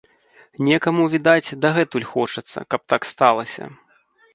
Некаму, відаць, дагэтуль хочацца, каб так сталася.